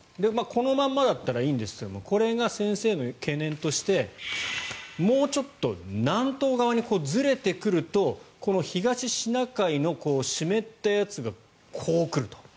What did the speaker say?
このままだったらいいんですがこれが先生の懸念としてもうちょっと南東側にずれてくるとこの東シナ海の湿ったやつがこう来ると。